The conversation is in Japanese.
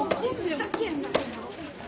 ふざけんなよ。